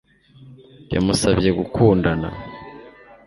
Yamusabye gukundana